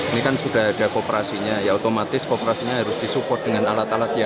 ini kan sudah ada kooperasinya ya otomatis kooperasinya harus disupport dengan alat alatnya